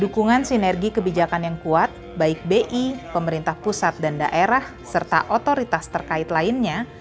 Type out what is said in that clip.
dukungan sinergi kebijakan yang kuat baik bi pemerintah pusat dan daerah serta otoritas terkait lainnya